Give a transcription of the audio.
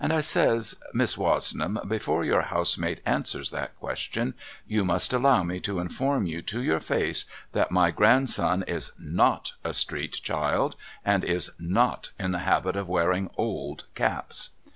I says ' Miss Wozenham before your housemaid answers that question you must allow me to inform you to your face that my grandson is not a street child and is not in the habit of wearing old caps.